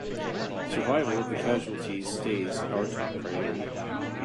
Survival of the casualties stays our top priority!